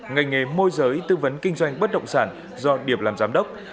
ngành nghề môi giới tư vấn kinh doanh bất động sản do điệp làm giám đốc